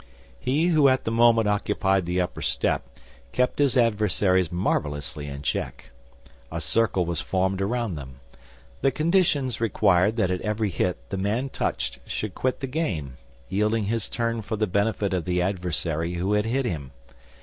He who at the moment occupied the upper step kept his adversaries marvelously in check. A circle was formed around them. The conditions required that at every hit the man touched should quit the game, yielding his turn for the benefit of the adversary who had hit him.